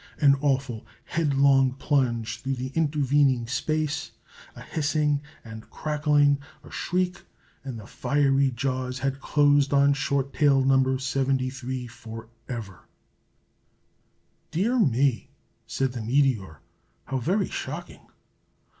An awful, headlong plunge through the intervening space; a hissing and crackling; a shriek, and the fiery jaws had closed on Short Tail No. 73 forever! "Dear me!" said the meteor. "How very shocking!